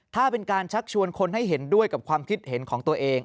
ถ้าเป็นการชักชวนคนให้เห็นด้วยกับความคิดเห็นของตัวเอง